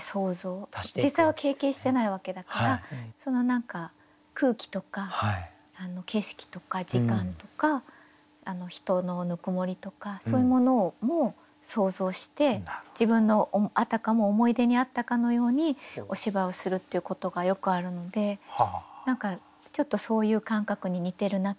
その何か空気とか景色とか時間とか人のぬくもりとかそういうものも想像して自分のあたかも思い出にあったかのようにお芝居をするっていうことがよくあるので何かちょっとそういう感覚に似てるなと思いました。